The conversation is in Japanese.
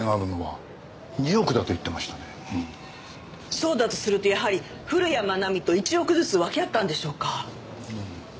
そうだとするとやはり古谷愛美と１億ずつ分け合ったんでしょうか？